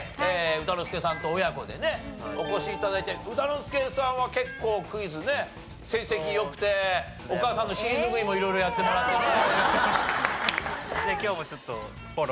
歌之助さんと親子でねお越し頂いて歌之助さんは結構クイズね成績良くてお母さんの尻拭いも色々やってもらってね。